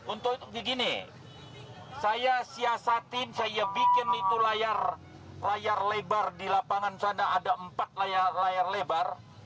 untuk begini saya siasatin saya bikin itu layar lebar di lapangan sana ada empat layar lebar